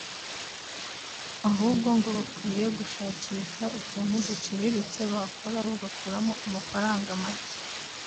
ahubwo ngo bakwiriye gushakisha utuntu duciriritse bakora bagakuramo amafaranga makeya